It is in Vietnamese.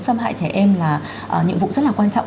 xâm hại trẻ em là nhiệm vụ rất là quan trọng